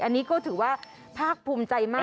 อันนี้ก็ถือว่าภาคภูมิใจมาก